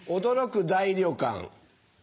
驚く大旅館。